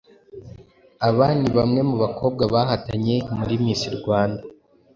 Aba ni bamwe mu bakobwa bahatanye muri Miss Rwanda